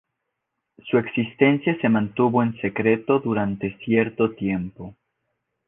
Su existencia se mantuvo en secreto durante cierto tiempo.